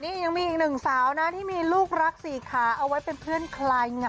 นี่ยังมีอีกหนึ่งสาวนะที่มีลูกรักสี่ขาเอาไว้เป็นเพื่อนใครเนี่ย